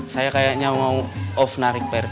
saya kayaknya mau off narik pak rt